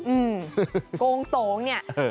อืมโกงโตงเนี่ย